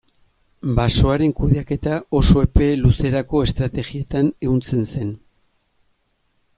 Basoaren kudeaketa oso epe luzerako estrategietan ehuntzen zen.